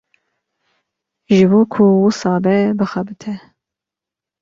Ji bo ku wisa be bixebite.